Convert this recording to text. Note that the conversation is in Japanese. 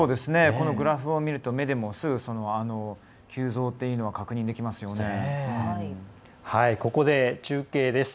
グラフを見ると、目でもすぐ、急増というのはここで、中継です。